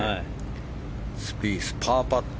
スピース、パーパット。